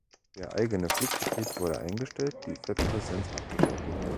Der eigene Flugbetrieb wurde eingestellt, die Webpräsenz abgeschaltet.